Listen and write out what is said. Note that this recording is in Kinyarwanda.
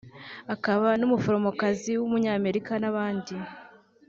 akaba n’umufotozikazi w’umunyamerika n’abandi